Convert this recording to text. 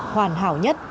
hoàn hảo nhất